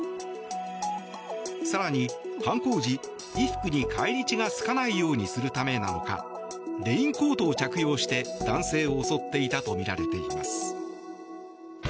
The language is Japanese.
更に犯行時、衣服に返り血がつかないようにするためなのかレインコートを着用して男性を襲っていたとみられています。